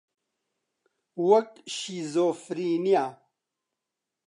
وەک شیزۆفرینیا